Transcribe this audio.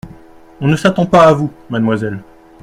On ne s’attend pas à vous, mademoiselle.